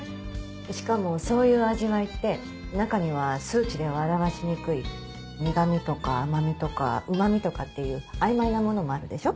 しかもそういう味わいって中には数値では表しにくい苦味とか甘味とかうま味とかっていう曖昧なものもあるでしょ？